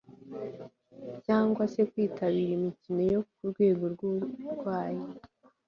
cyangwa se kwitabira imikino yo kurwego rw'uburayi